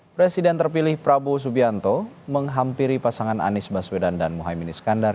presiden terpilih prabowo subianto menghampiri pasangan anies baswedan dan muhaymin iskandar